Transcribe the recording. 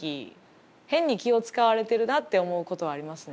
変に気を遣われてるなって思うことはありますね